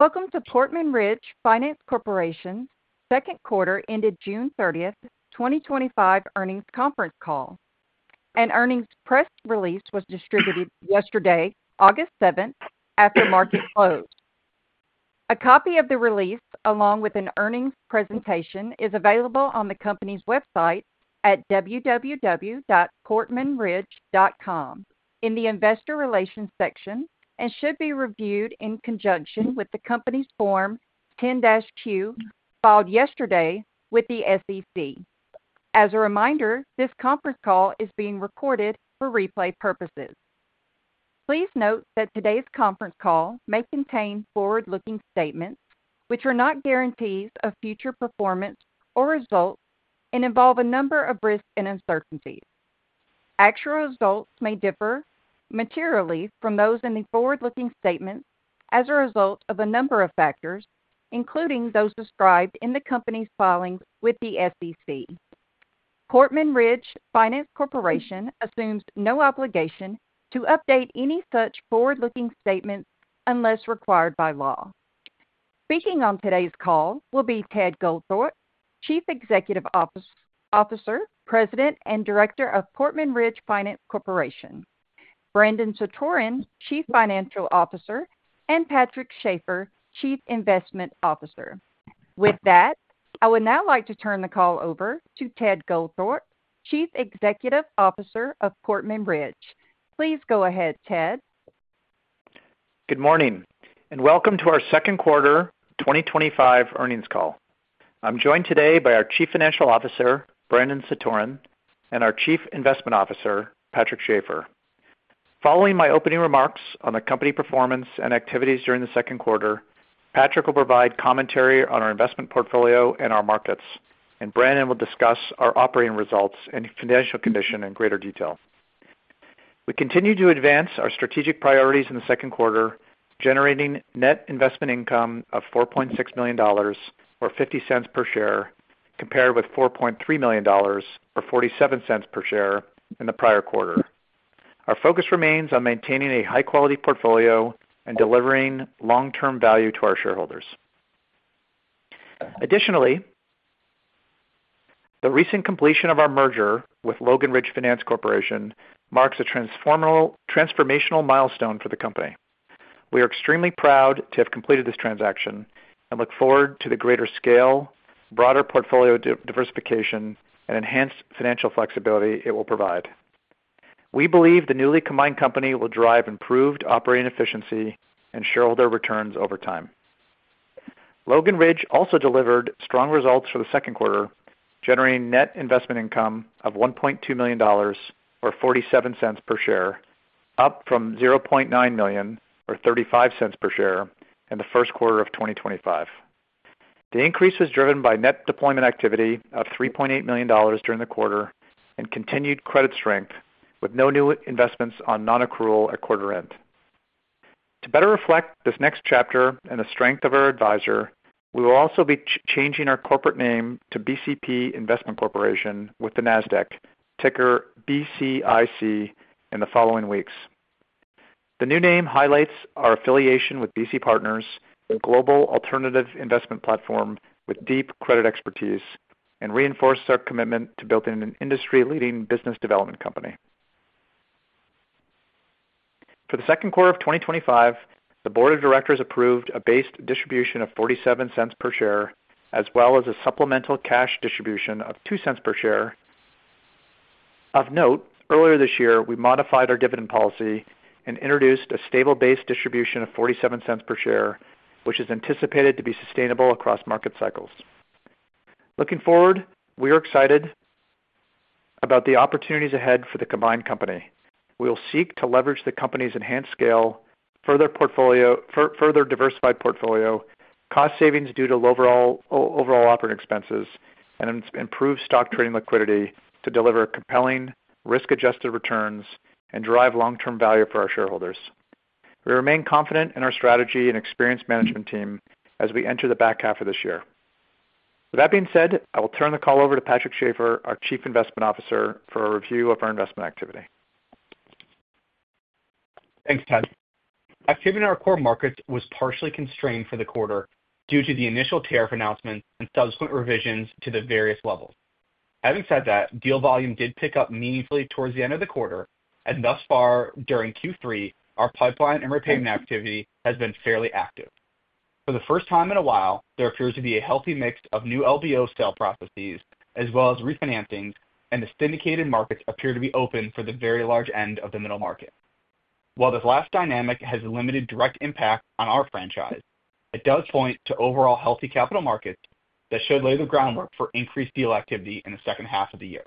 Welcome to Portman Ridge Finance Corporation's Second Quarter Ended June 30, 2025 Earnings Conference Call. An earnings press release was distributed yesterday, August 7, after market close. A copy of the release, along with an earnings presentation, is available on the company's website at www.portmanridge.com in the Investor Relations section and should be reviewed in conjunction with the company's Form 10-Q filed yesterday with the SEC. As a reminder, this conference call is being recorded for replay purposes. Please note that today's conference call may contain forward-looking statements, which are not guarantees of future performance or results and involve a number of risks and uncertainties. Actual results may differ materially from those in the forward-looking statements as a result of a number of factors, including those described in the company's filings with the SEC. Portman Ridge Finance Corporation assumes no obligation to update any such forward-looking statements unless required by law. Speaking on today's call will be Ted Goldthorpe, Chief Executive Officer, President and Director of Portman Ridge Finance Corporation, Brandon Satoren, Chief Financial Officer, and Patrick Schafer, Chief Investment Officer. With that, I would now like to turn the call over to Ted Goldthorpe, Chief Executive Officer of Portman Ridge. Please go ahead, Ted. Good morning and welcome to our second quarter 2025 earnings call. I'm joined today by our Chief Financial Officer, Brandon Satoren, and our Chief Investment Officer, Patrick Schafer. Following my opening remarks on the company performance and activities during the second quarter, Patrick will provide commentary on our investment portfolio and our markets, and Brandon will discuss our operating results and financial condition in greater detail. We continue to advance our strategic priorities in the second quarter, generating net investment income of $4.6 million, or $0.50 per share, compared with $4.3 million, or $0.47 per share in the prior quarter. Our focus remains on maintaining a high-quality portfolio and delivering long-term value to our shareholders. Additionally, the recent completion of our merger with Logan Ridge Finance Corporation marks a transformational milestone for the company. We are extremely proud to have completed this transaction and look forward to the greater scale, broader portfolio diversification, and enhanced financial flexibility it will provide. We believe the newly combined company will drive improved operating efficiency and shareholder returns over time. Logan Ridge also delivered strong results for the second quarter, generating net investment income of $1.2 million, or $0.47 per share, up from $0.9 million, or $0.35 per share in the first quarter of 2025. The increase was driven by net deployment activity of $3.8 million during the quarter and continued credit strength, with no new investments on non-accrual at quarter end. To better reflect this next chapter and the strength of our advisor, we will also be changing our corporate name to BCP Investment Corporation with the NASDAQ ticker BCIC in the following weeks. The new name highlights our affiliation with BC Partners Advisors L.P., a global alternative investment platform with deep credit expertise, and reinforces our commitment to building an industry-leading business development company. For the second quarter of 2025, the Board of Directors approved a base distribution of $0.47 per share, as well as a supplemental cash distribution of $0.02 per share. Of note, earlier this year, we modified our dividend policy and introduced a stable base distribution of $0.47 per share, which is anticipated to be sustainable across market cycles. Looking forward, we are excited about the opportunities ahead for the combined company. We will seek to leverage the company's enhanced scale, further diversified portfolio, cost savings due to overall operating expenses, and improved stock trading liquidity to deliver compelling risk-adjusted returns and drive long-term value for our shareholders. We remain confident in our strategy and experienced management team as we enter the back half of this year. With that being said, I will turn the call over to Patrick Schafer, our Chief Investment Officer, for a review of our investment activity. Thanks, Ted. Activity in our core markets was partially constrained for the quarter due to the initial tariff announcement and subsequent revisions to the various levels. Having said that, deal volume did pick up meaningfully towards the end of the quarter, and thus far during Q3, our pipeline and retaining activity has been fairly active. For the first time in a while, there appears to be a healthy mix of new LBO sale processes as well as refinancings, and the syndicated markets appear to be open for the very large end of the middle market. While this last dynamic has limited direct impact on our franchise, it does point to overall healthy capital markets that should lay the groundwork for increased deal activity in the second half of the year.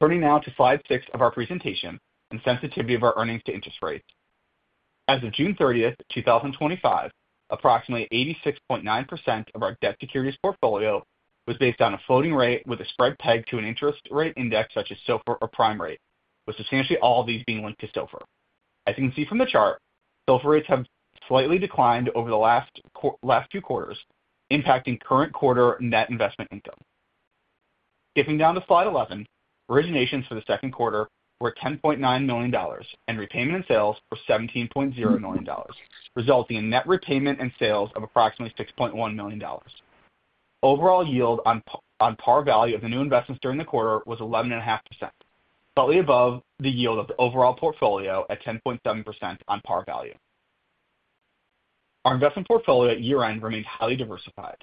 Turning now to slide six of our presentation and sensitivity of our earnings to interest rates. As of June 30th, 2025, approximately 86.9% of our debt securities portfolio was based on a floating rate with a spread pegged to an interest rate index such as SOFR or prime rate, with substantially all of these being linked to SOFR. As you can see from the chart, SOFR rates have slightly declined over the last two quarters, impacting current quarter net investment income. Skipping down to slide 11, originations for the second quarter were $10.9 million and repayments and sales were $17.0 million, resulting in net repayment and sales of approximately $6.1 million. Overall yield on par value of the new investments during the quarter was 11.5%, slightly above the yield of the overall portfolio at 10.7% on par value. Our investment portfolio at year-end remains highly diversified.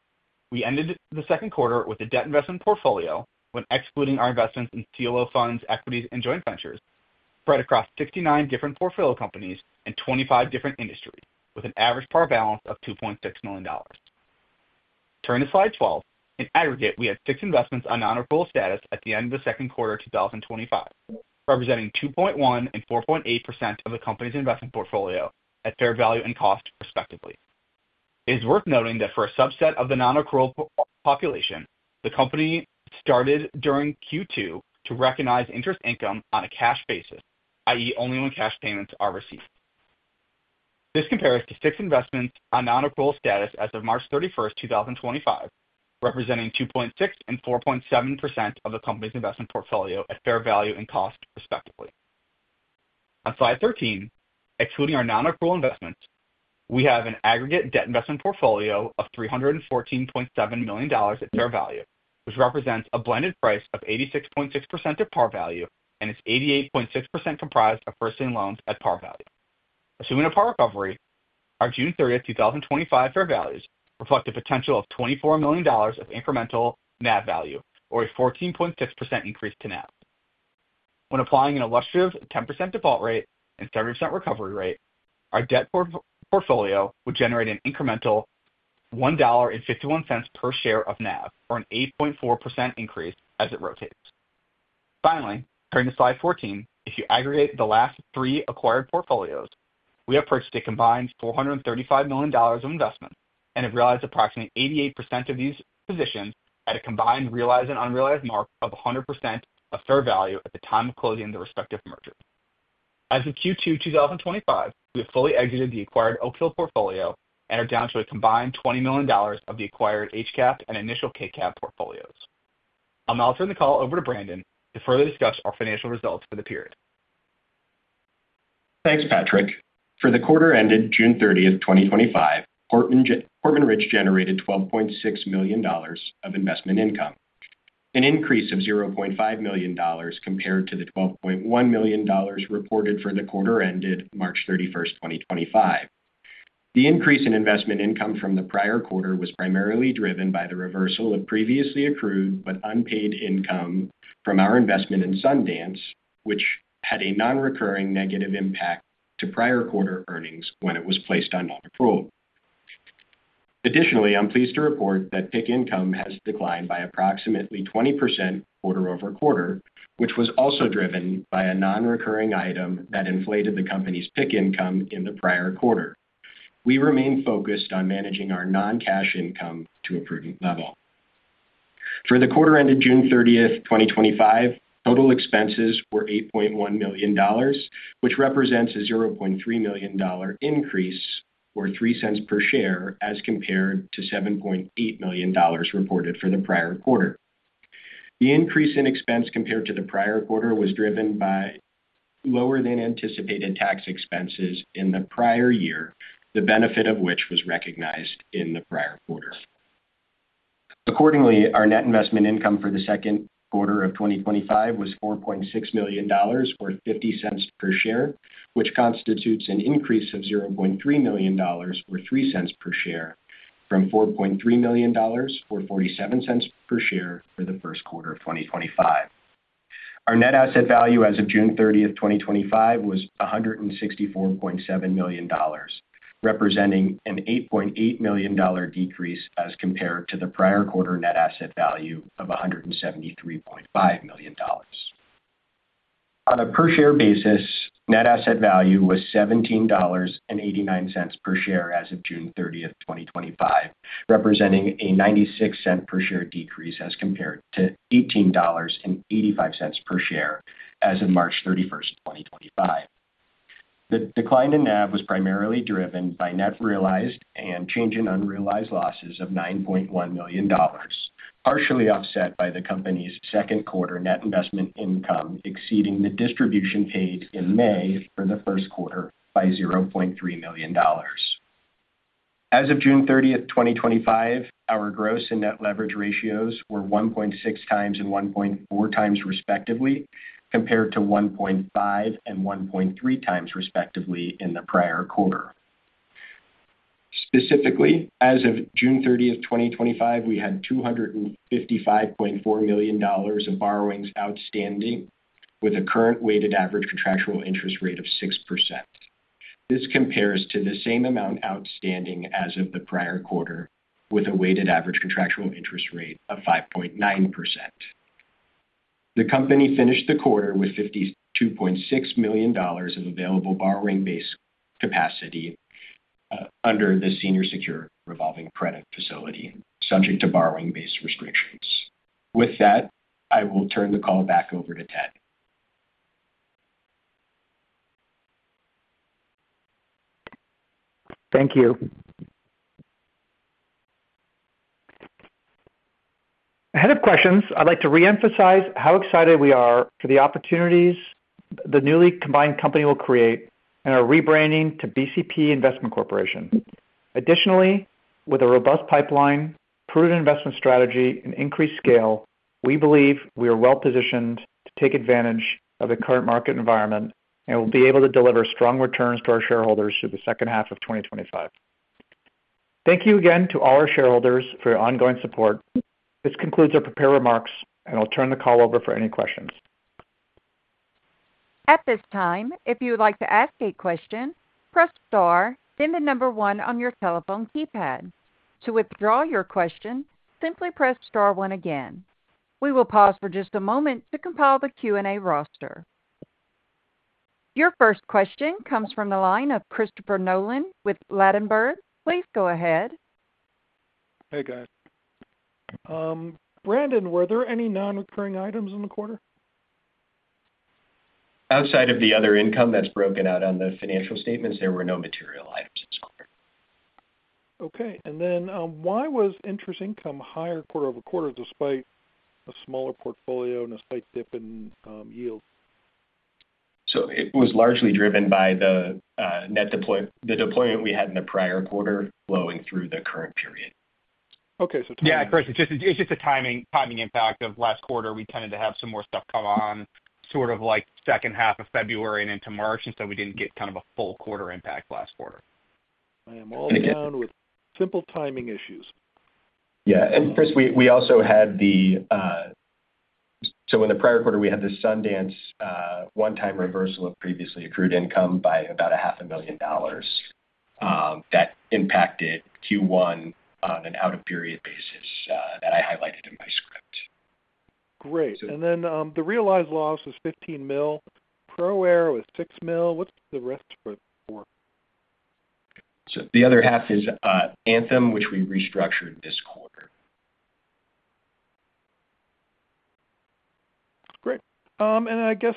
We ended the second quarter with the debt investment portfolio, when excluding our investments in CLO funds, equities, and joint ventures, spread across 69 different portfolio companies and 25 different industries, with an average par balance of $2.6 million. Turning to slide 12, in aggregate, we had six investments on non-accrual status at the end of the second quarter 2025, representing 2.1% and 4.8% of the company's investment portfolio at fair value and cost, respectively. It is worth noting that for a subset of the non-accrual population, the company started during Q2 to recognize interest income on a cash basis, i.e., only when cash payments are received. This compares to six investments on non-accrual status as of March 31st, 2025, representing 2.6% and 4.7% of the company's investment portfolio at fair value and cost, respectively. On slide 13, excluding our non-accrual investments, we have an aggregate debt investment portfolio of $314.7 million at fair value, which represents a blended price of 86.6% at par value, and it's 88.6% comprised of first-line loans at par value. Assuming a par recovery, our June 30, 2025 fair values reflect a potential of $24 million of incremental net value, or a 14.6% increase to net. When applying an illustrative 10% default rate and 70% recovery rate, our debt portfolio would generate an incremental $1.51 per share of net, or an 8.4% increase as it rotates. Finally, turning to slide 14, if you aggregate the last three acquired portfolios, we have purchased a combined $435 million of investments and have realized approximately 88% of these positions at a combined realized and unrealized mark of 100% of fair value at the time of closing the respective merger. As of Q2 2025, we have fully exited the acquired OPIL portfolio and are down to a combined $20 million of the acquired HCAP and initial KCAP portfolios. I'll now turn the call over to Brandon to further discuss our financial results for the period. Thanks, Patrick. For the quarter ended June 30, 2025, Portman Ridge Finance Corporation generated $12.6 million of investment income, an increase of $0.5 million compared to the $12.1 million reported for the quarter ended March 31, 2025. The increase in investment income from the prior quarter was primarily driven by the reversal of previously accrued but unpaid income from our investment in Sundance, which had a non-recurring negative impact to prior quarter earnings when it was placed on non-accrual. Additionally, I'm pleased to report that PIC income has declined by approximately 20% quarter-over-quarter, which was also driven by a non-recurring item that inflated the company's PIC income in the prior quarter. We remain focused on managing our non-cash income to a prudent level. For the quarter ended June 30, 2025, total expenses were $8.1 million, which represents a $0.3 million increase, or $0.03 per share, as compared to $7.8 million reported for the prior quarter. The increase in expense compared to the prior quarter was driven by lower than anticipated tax expenses in the prior year, the benefit of which was recognized in the prior quarter. Accordingly, our net investment income for the second quarter of 2025 was $4.6 million, or $0.50 per share, which constitutes an increase of $0.3 million, or $0.03 per share, from $4.3 million, or $0.47 per share for the first quarter of 2025. Our net asset value as of June 30, 2025 was $164.7 million, representing an $8.8 million decrease as compared to the prior quarter net asset value of $173.5 million. On a per share basis, net asset value was $17.89 per share as of June 30, 2025, representing a $0.96 per share decrease as compared to $18.85 per share as of March 31, 2025. The decline in net asset value was primarily driven by net realized and change in unrealized losses of $9.1 million, partially offset by the company's second quarter net investment income exceeding the distribution paid in May for the first quarter by $0.3 million. As of June 30, 2025, our gross and net leverage ratios were 1.6 times and 1.4 times, respectively, compared to 1.5 and 1.3 times, respectively, in the prior quarter. Specifically, as of June 30, 2025, we had $255.4 million in borrowings outstanding, with a current weighted average contractual interest rate of 6%. This compares to the same amount outstanding as of the prior quarter, with a weighted average contractual interest rate of 5.9%. The company finished the quarter with $52.6 million of available borrowing-based capacity under the Senior Secured Revolving Credit Facility, subject to borrowing-based restrictions. With that, I will turn the call back over to Ted. Thank you. Ahead of questions, I'd like to reemphasize how excited we are for the opportunities the newly combined company will create and our rebranding to BCP Investment Corporation. Additionally, with a robust pipeline, prudent investment strategy, and increased scale, we believe we are well-positioned to take advantage of the current market environment and will be able to deliver strong returns to our shareholders through the second half of 2025. Thank you again to all our shareholders for your ongoing support. This concludes our prepared remarks, and I'll turn the call over for any questions. At this time, if you would like to ask a question, press star and the number one on your telephone keypad. To withdraw your question, simply press star one again. We will pause for just a moment to compile the Q&A roster. Your first question comes from the line of Christopher Nolan with Ladenburg Thalmann & Co. Inc. Please go ahead. Hey, guys. Brandon, were there any non-recurring items in the quarter? Outside of the other income that's broken out on the financial statements, there were no material items this quarter. Okay. Why was interest income higher quarter-over-quarter despite a smaller portfolio and a slight dip in yield? It was largely driven by the net deployment we had in the prior quarter flowing through the current period. Okay. So. Yeah, Chris, it's just a timing impact of last quarter. We tended to have some more stuff come on sort of like the second half of February and into March, and we didn't get kind of a full quarter impact last quarter. I am all down with simple timing issues. Yeah. Chris, we also had, in the prior quarter, the Sundance one-time reversal of previously accrued income by about $0.5 million that impacted Q1 on an out-of-period basis that I highlighted in my script. Great. The realized loss was $15 million. ProAir was $6 million. What's the rest for? The other half is Anthem, which we restructured this quarter. Great. I guess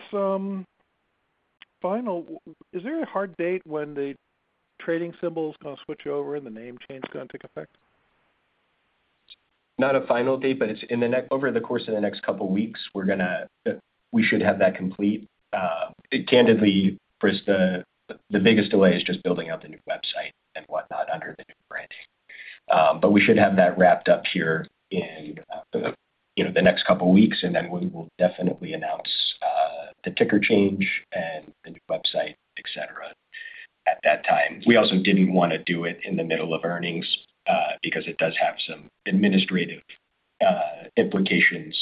final, is there a hard date when the trading symbol is going to switch over and the name change is going to take effect? Not a final date, but it's in the next, over the course of the next couple of weeks, we should have that complete. Candidly, Chris, the biggest delay is just building out the new website and whatnot under the new branding. We should have that wrapped up here in the next couple of weeks, and then we will definitely announce the ticker change and the new website, etc., at that time. We also didn't want to do it in the middle of earnings because it does have some administrative implications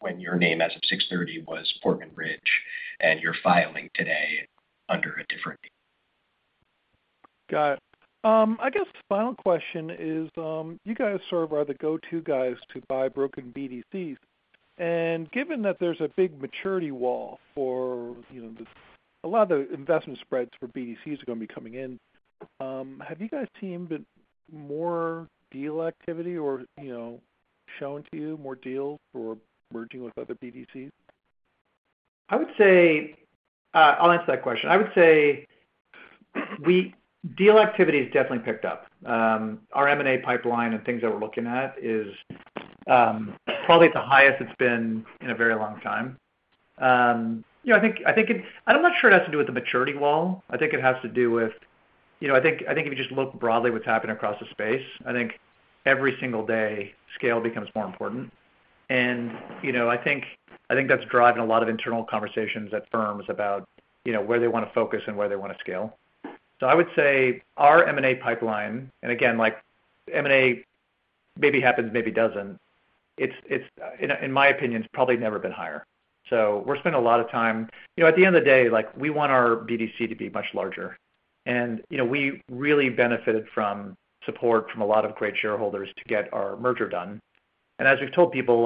when your name as of 6/30 was Portman Ridge and you're filing today under a different name. Got it. I guess the final question is, you guys are the go-to guys to buy broken BDCs. Given that there's a big maturity wall for, you know, a lot of the investment spreads for BDCs are going to be coming in, have you guys seen more deal activity or, you know, shown to you more deals for merging with other BDCs? I would say deal activity has definitely picked up. Our M&A pipeline and things that we're looking at is probably at the highest it's been in a very long time. I think it's, and I'm not sure it has to do with the maturity wall. I think it has to do with, if you just look broadly at what's happening across the space, every single day scale becomes more important. I think that's driving a lot of internal conversations at firms about where they want to focus and where they want to scale. I would say our M&A pipeline, and again, like M&A maybe happens, maybe doesn't. In my opinion, it's probably never been higher. We're spending a lot of time, at the end of the day, we want our BDC to be much larger. We really benefited from support from a lot of great shareholders to get our merger done. As we've told people,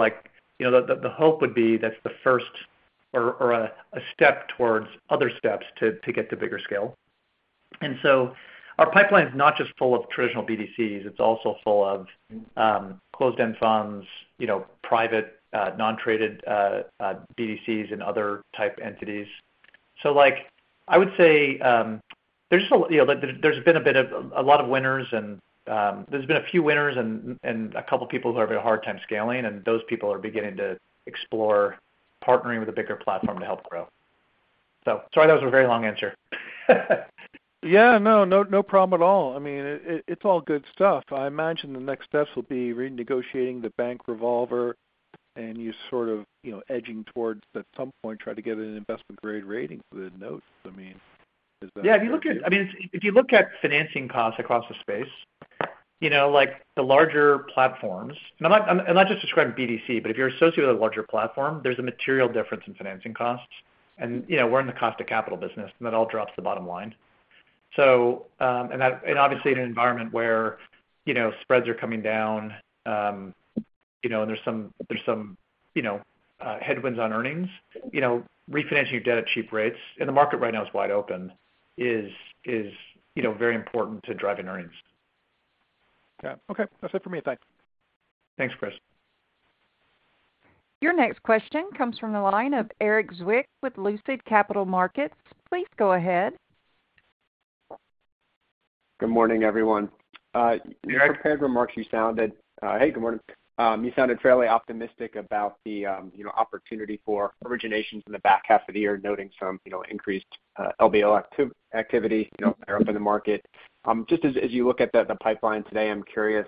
the hope would be that's the first or a step towards other steps to get to bigger scale. Our pipeline is not just full of traditional BDCs. It's also full of closed-end funds, private, non-traded BDCs and other type entities. I would say there's just a little, there's been a bit of a lot of winners and there's been a few winners and a couple of people who have a hard time scaling and those people are beginning to explore partnering with a bigger platform to help grow. Sorry, that was a very long answer. Yeah, no problem at all. I mean, it's all good stuff. I imagine the next steps will be renegotiating the bank revolver, and you sort of, you know, edging towards at some point trying to get an investment grade rating for the note. I mean, is that? If you look at financing costs across the space, you know, like the larger platforms, and I'm not just describing BDC, but if you're associated with a larger platform, there's a material difference in financing costs. We're in the cost of capital business and that all drops to the bottom line. Obviously, in an environment where spreads are coming down and there's some headwinds on earnings, refinancing your debt at cheap rates and the market right now is wide open is very important to drive in earnings. Yeah, okay. That's it for me. Thanks. Thanks, Chris. Your next question comes from the line of Erik Zwick with Lucid Capital Markets. Please go ahead. Good morning, everyone. You sounded fairly optimistic about the opportunity for originations in the back half of the year, noting some increased LBO activity up in the market. As you look at the pipeline today, I'm curious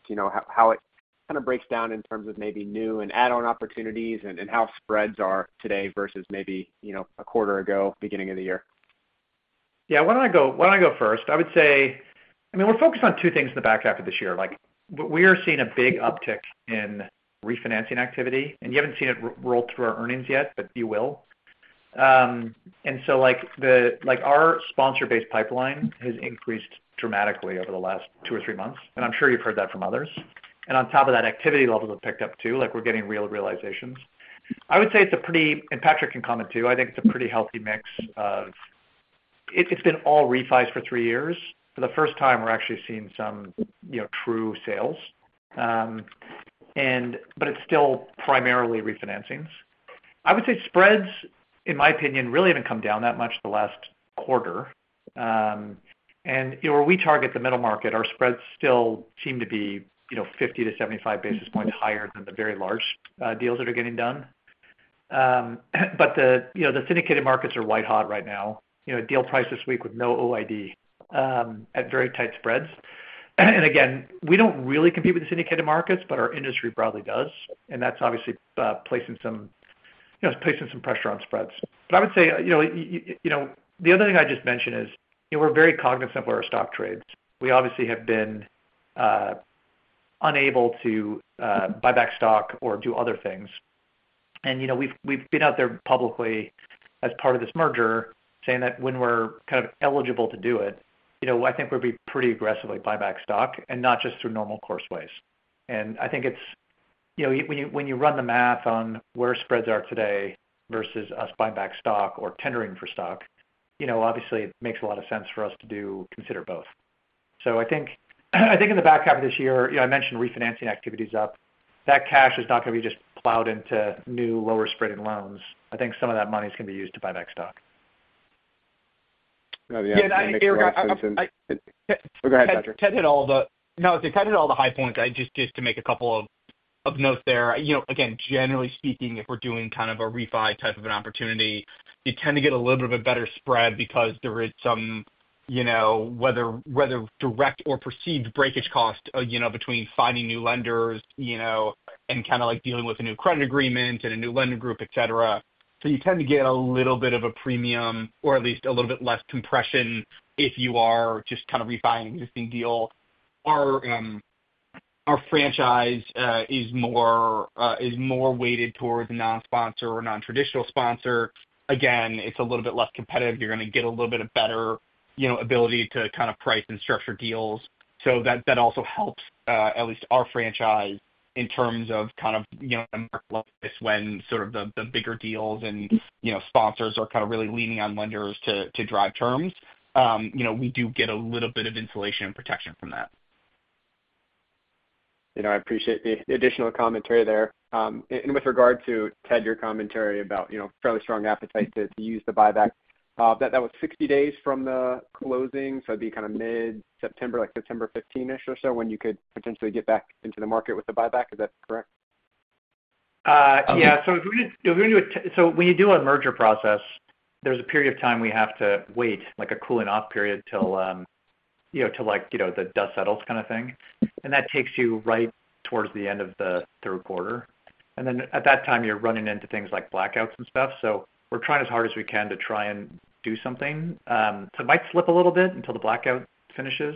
how it kind of breaks down in terms of maybe new and add-on opportunities and how spreads are today versus maybe a quarter ago or the beginning of the year. Why don't I go first? I would say we're focused on two things in the back half of this year. We are seeing a big uptick in refinancing activity, and you haven't seen it roll through our earnings yet, but you will. Our sponsor-based pipeline has increased dramatically over the last two or three months, and I'm sure you've heard that from others. On top of that, activity levels have picked up too, we're getting real realizations. I would say it's a pretty, and Patrick can comment too, I think it's a pretty healthy mix of, it's been all refis for three years. For the first time, we're actually seeing some true sales, but it's still primarily refinancings. I would say spreads, in my opinion, really haven't come down that much the last quarter. Where we target the middle market, our spreads still seem to be 50 basis points-75 basis points higher than the very large deals that are getting done. The syndicated markets are white hot right now. A deal priced this week with no OID at very tight spreads. We don't really compete with the syndicated markets, but our industry broadly does. That's obviously placing some pressure on spreads. The other thing I just mention is we're very cognizant of our stock trades. We obviously have been unable to buy back stock or do other things. We've been out there publicly as part of this merger saying that when we're kind of eligible to do it, I think we'd be pretty aggressively buying back stock and not just through normal course ways. When you run the math on where spreads are today versus us buying back stock or tendering for stock, it makes a lot of sense for us to consider both. In the back half of this year, I mentioned refinancing activities up. That cash is not going to be just plowed into new lower spreading loans. I think some of that money is going to be used to buy back stock. Yeah, I think I hit all the high points. Just to make a couple of notes there, you know, again, generally speaking, if we're doing kind of a refi type of an opportunity, you tend to get a little bit of a better spread because there is some, you know, whether direct or perceived breakage cost, you know, between finding new lenders and kind of like dealing with a new credit agreement and a new lender group, etc. You tend to get a little bit of a premium or at least a little bit less compression if you are just kind of refining an existing deal. Our franchise is more weighted towards a non-sponsor or non-traditional sponsor. Again, it's a little bit less competitive. You're going to get a little bit of better ability to kind of price and structure deals. That also helps at least our franchise in terms of, you know, the market like this when sort of the bigger deals and sponsors are kind of really leaning on lenders to drive terms. We do get a little bit of insulation and protection from that. I appreciate the additional commentary there. With regard to Ted, your commentary about a fairly strong appetite to use the buyback, that was 60 days from the closing. It would be kind of mid-September, like September 15-ish or so when you could potentially get back into the market with the buyback. Is that correct? Yeah. If we're going to do it, when you do a merger process, there's a period of time we have to wait, like a cooling off period till the dust settles kind of thing. That takes you right towards the end of the third quarter. At that time, you're running into things like blackouts and stuff. We're trying as hard as we can to try and do something. It might slip a little bit until the blackout finishes,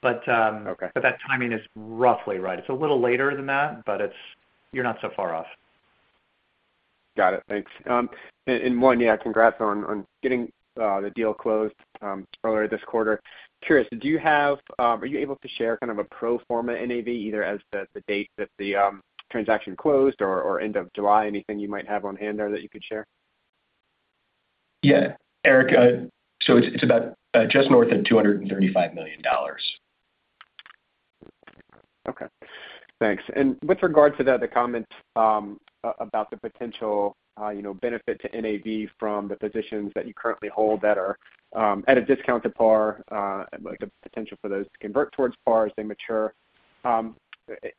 but that timing is roughly right. It's a little later than that, but you're not so far off. Got it. Thanks. Congrats on getting the deal closed earlier this quarter. Curious, do you have, are you able to share kind of a pro forma net asset value either as the date that the transaction closed or end of July, anything you might have on hand there that you could share? Yeah, Eric, so it's about just north of $235 million. Okay. Thanks. With regard to that, the comment about the potential benefit to net asset value from the positions that you currently hold that are at a discounted par, like the potential for those to convert towards par as they mature.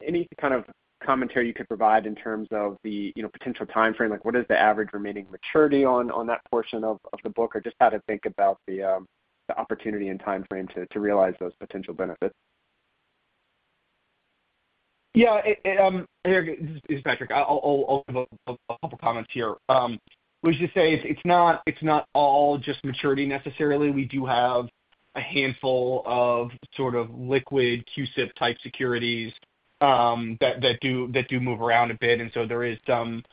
Any kind of commentary you could provide in terms of the potential timeframe, like what is the average remaining maturity on that portion of the book or just how to think about the opportunity and timeframe to realize those potential benefits? Yeah, here is Patrick. I'll have a couple of comments here. I was just saying it's not all just maturity necessarily. We do have a handful of sort of liquid CUSIP-type securities that do move around a bit. There is some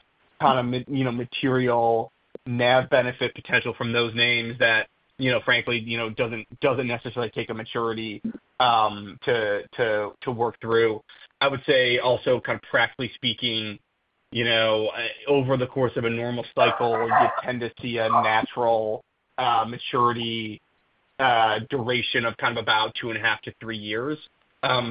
kind of material net asset value benefit potential from those names that, frankly, doesn't necessarily take a maturity to work through. I would say also, practically speaking, over the course of a normal cycle, you tend to see a natural maturity duration of about two and a half to three years.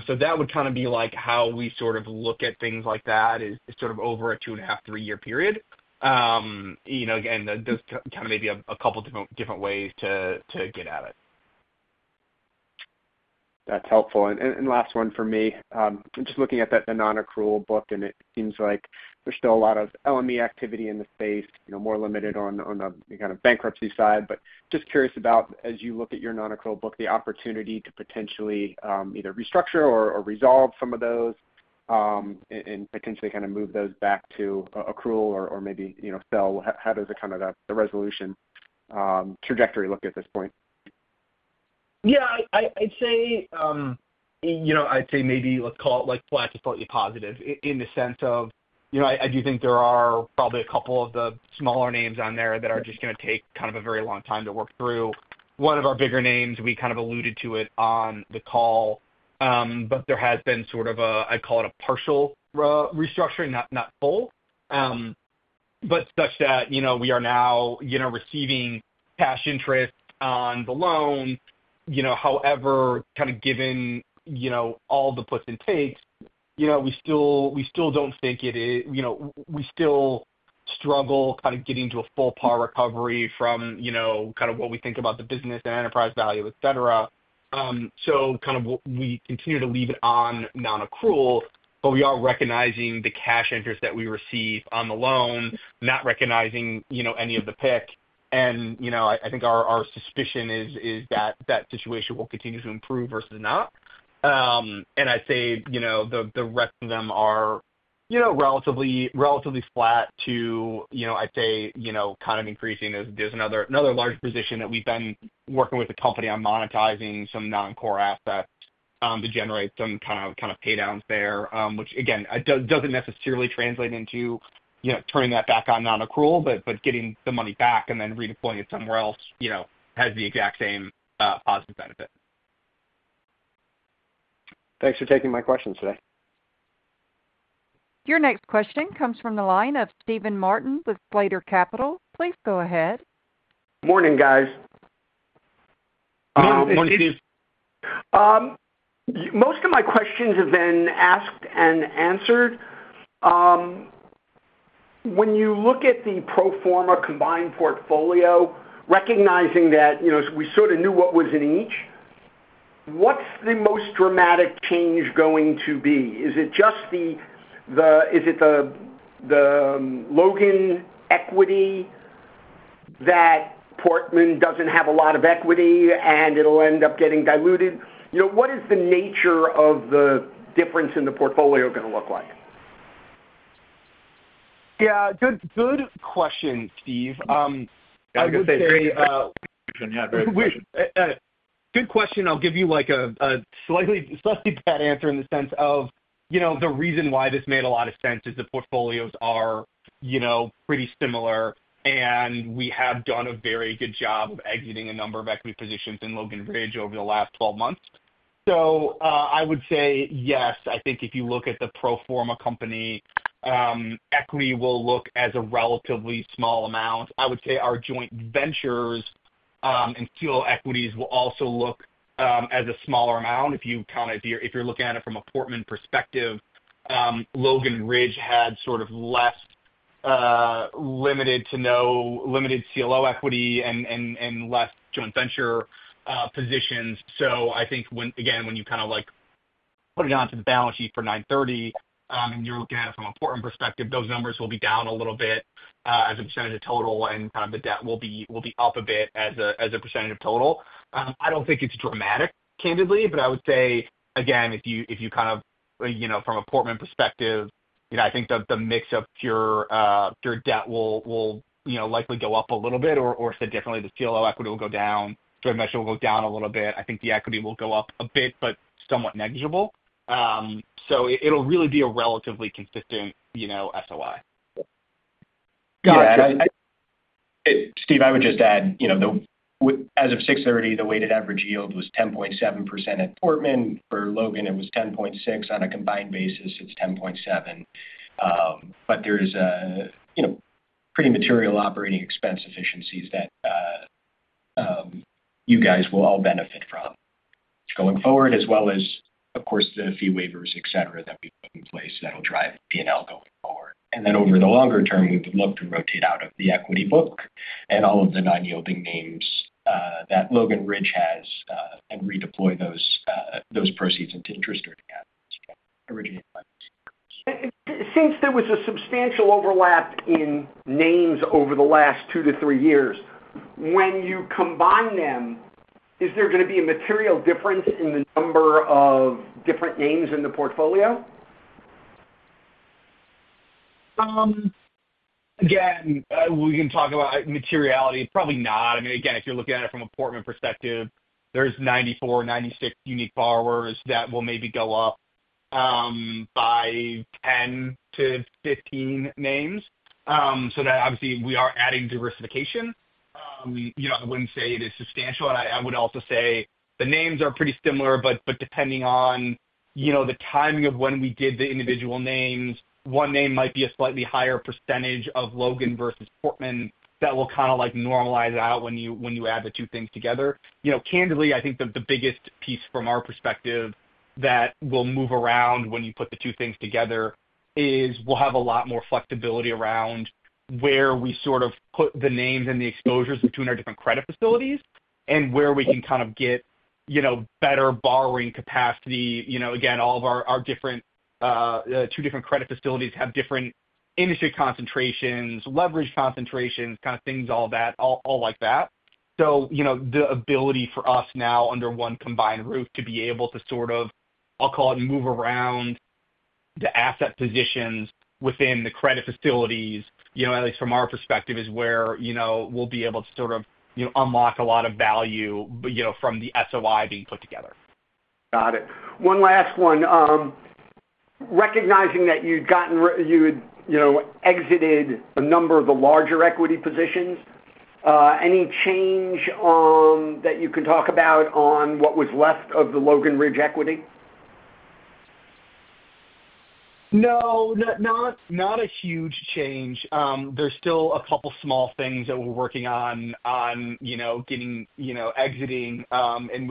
That would kind of be how we look at things like that, sort of over a two and a half, three-year period. You know, again, there's kind of maybe a couple of different ways to get at it. That's helpful. Last one for me, just looking at the non-accrual book, it seems like there's still a lot of LME activity in the space, more limited on the kind of bankruptcy side. Just curious about, as you look at your non-accrual book, the opportunity to potentially either restructure or resolve some of those and potentially kind of move those back to accrual or maybe, you know, sell. How does the resolution trajectory look at this point? Yeah, I'd say maybe let's call it like flat to fully positive in the sense of, I do think there are probably a couple of the smaller names on there that are just going to take kind of a very long time to work through. One of our bigger names, we kind of alluded to it on the call, but there has been sort of a, I call it a partial restructuring, not full, but such that we are now receiving cash interest on the loan. However, kind of given all the puts and takes, we still don't think it is, we still struggle kind of getting to a full par recovery from what we think about the business and enterprise value, etc. We continue to leave it on non-accrual, but we are recognizing the cash interest that we receive on the loan, not recognizing any of the PIC. I think our suspicion is that that situation will continue to improve versus not. I'd say the rest of them are relatively flat to, I'd say, kind of increasing as there's another large position that we've been working with the company on monetizing some non-core assets to generate some kind of paydowns there, which again doesn't necessarily translate into turning that back on non-accrual, but getting the money back and then redeploying it somewhere else has the exact same positive benefit. Thanks for taking my questions today. Your next question comes from the line of Steven Martin with Slater Capital Management LLC. Please go ahead. Morning, guys. Most of my questions have been asked and answered. When you look at the pro forma combined portfolio, recognizing that, you know, we sort of knew what was in each, what's the most dramatic change going to be? Is it just the, is it the Logan equity that Portman doesn't have a lot of equity and it'll end up getting diluted? You know, what is the nature of the difference in the portfolio going to look like? Good question, Steve. I would say, good question. I'll give you like a slightly bad answer in the sense of, you know, the reason why this made a lot of sense is the portfolios are, you know, pretty similar. We have done a very good job of exiting a number of equity positions in Logan Ridge over the last 12 months. I would say, yes, I think if you look at the pro forma company, equity will look as a relatively small amount. I would say our joint ventures and few equities will also look as a smaller amount if you count it, if you're looking at it from a Portman perspective. Logan Ridge had sort of left limited to no limited CLO equity and left joint venture positions. I think when, again, when you kind of like put it onto the balance sheet for 9/30 and you're looking at it from a Portman perspective, those numbers will be down a little bit as a percentage of total and kind of the debt will be up a bit as a percentage of total. I don't think it's dramatic, candidly, but I would say, again, if you kind of, you know, from a Portman perspective, I think the mix of pure debt will, you know, likely go up a little bit or, or said differently, the CLO equity will go down. Joint venture will go down a little bit. I think the equity will go up a bit, but somewhat negligible. It'll really be a relatively consistent, you know, SOI. Got it. Steve, I would just add, you know, as of 6/30, the weighted average yield was 10.7% at Portman. For Logan, it was 10.6%. On a combined basis, it's 10.7%. There is a pretty material operating expense efficiencies that you guys will all benefit from going forward, as well as, of course, the fee waivers, etc., that we put in place that will drive P&L going forward. Over the longer term, we would love to rotate out of the equity book and all of the non-yielding names that Logan Ridge has and redeploy those proceeds into interest or debt. Since there was a substantial overlap in names over the last two to three years, when you combine them, is there going to be a material difference in the number of different names in the portfolio? Again, we can talk about materiality. Probably not. I mean, again, if you're looking at it from a Portman perspective, there's 94, 96 unique borrowers that will maybe go up by 10-15 names. That obviously means we are adding diversification. I wouldn't say it is substantial, and I would also say the names are pretty similar, but depending on the timing of when we did the individual names, one name might be a slightly higher percentage of Logan versus Portman. That will kind of normalize out when you add the two things together. Candidly, I think the biggest piece from our perspective that will move around when you put the two things together is we'll have a lot more flexibility around where we sort of put the names and the exposures between our different credit facilities and where we can get better borrowing capacity. All of our different, two different credit facilities have different industry concentrations, leverage concentrations, things like that. The ability for us now under one combined roof to be able to move around the asset positions within the credit facilities, at least from our perspective, is where we'll be able to unlock a lot of value from the SOFR being put together. Got it. One last one. Recognizing that you'd exited a number of the larger equity positions, any change that you can talk about on what was left of the Logan Ridge equity? No, not a huge change. There's still a couple of small things that we're working on, on getting, exiting, and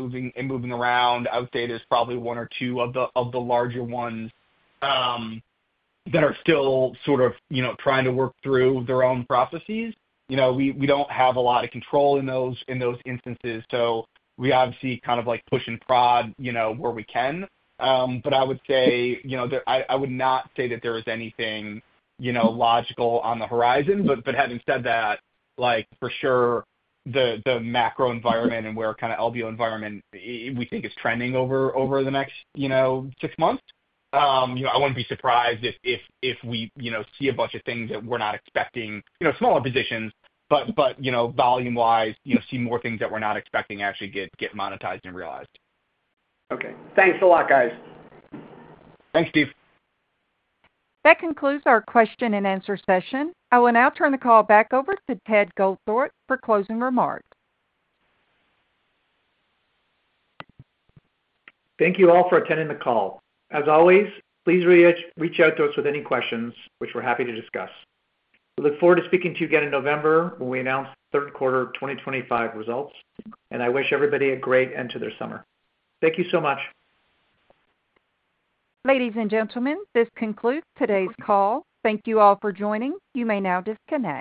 moving around. I would say there's probably one or two of the larger ones that are still trying to work through their own processes. We don't have a lot of control in those instances. We obviously push and prod where we can. I would not say that there is anything logical on the horizon. Having said that, for sure, the macro environment and where the LBO environment we think is trending over the next six months, I wouldn't be surprised if we see a bunch of things that we're not expecting, smaller positions, but volume-wise, see more things that we're not expecting actually get monetized and realized. Okay. Thanks a lot, guys. Thanks, Steve. That concludes our question and answer session. I will now turn the call back over to Ted Goldthorpe for closing remarks. Thank you all for attending the call. As always, please reach out to us with any questions, which we're happy to discuss. We look forward to speaking to you again in November when we announce third quarter 2025 results. I wish everybody a great end to their summer. Thank you so much. Ladies and gentlemen, this concludes today's call. Thank you all for joining. You may now disconnect.